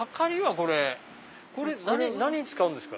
これ何に使うんですか？